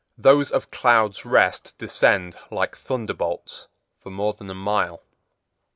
Those of Clouds' Rest descend like thunderbolts for more than a mile.